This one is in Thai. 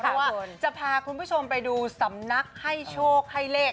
เพราะว่าจะพาคุณผู้ชมไปดูสำนักให้โชคให้เลข